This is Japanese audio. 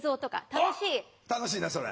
楽しいなあそれ。